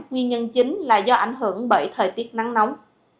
nguyên nhân chính là do ảnh hưởng bởi thời tiết nắng nóng